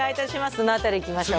どの辺りいきましょうか？